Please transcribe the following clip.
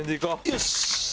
よし！